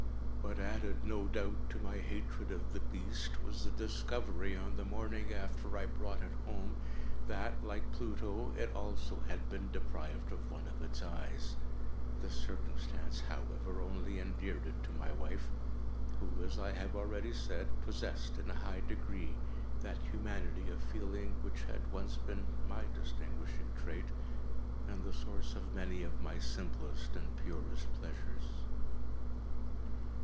What added, no doubt, to my hatred of the beast, was the discovery, on the morning after I brought it home, that, like Pluto, it also had been deprived of one of its eyes. This circumstance, however, only endeared it to my wife, who, as I have already said, possessed, in a high degree, that humanity of feeling which had once been my distinguishing trait, and the source of many of my simplest and purest pleasures.